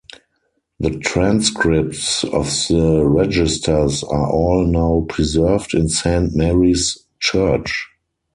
The transcripts of the registers are all now preserved in Saint Mary's church.